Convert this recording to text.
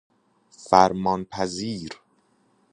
فرمان پذیر